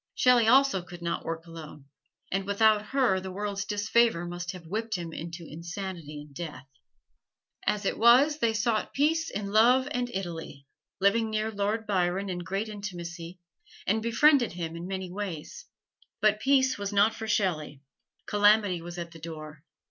Shelley also could not work alone, and without her the world's disfavor must have whipped him into insanity and death. As it was they sought peace in love and Italy, living near Lord Byron in great intimacy, and befriended by him in many ways. But peace was not for Shelley. Calamity was at the door.